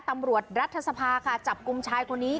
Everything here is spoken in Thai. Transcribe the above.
รัฐสภาค่ะจับกลุ่มชายคนนี้